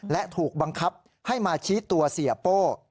และถูกบังคับให้มาชี้ตัวเสียโป้